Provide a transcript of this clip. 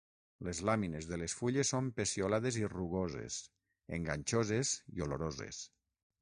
Les làmines de les fulles són peciolades i rugoses, enganxoses i oloroses.